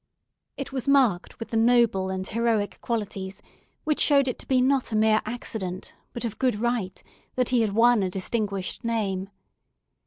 It was marked with the noble and heroic qualities which showed it to be not a mere accident, but of good right, that he had won a distinguished name.